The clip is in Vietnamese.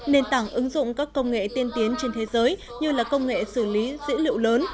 nền tảng ứng dụng các công nghệ tiên tiến trên thế giới như là công nghệ xử lý dữ liệu lớn